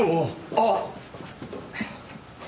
あっ！